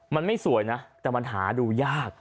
มันไม่สวยนะแต่มันหาดูยาก